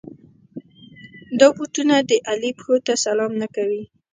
دا بوټونه د علي پښو ته سلام نه کوي.